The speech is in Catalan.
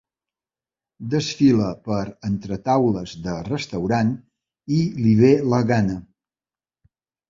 Desfila per entre taules de restaurant i li ve la gana.